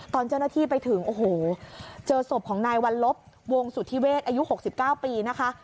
ตอนเจ้าหน้าที่ไปถึงโอ้โหเจอศพของนายวัลลบวงสุธิเวศอายุ๖๙ปีนะคะ